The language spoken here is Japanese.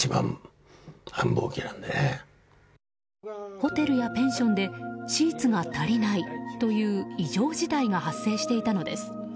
ホテルやペンションでシーツが足りないという異常事態が発生していたのです。